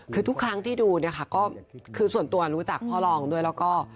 คือทุกครั้งที่ดูเนี่ยค่ะก็คือส่วนตัวรู้จักพ่อรองด้วยแล้วก็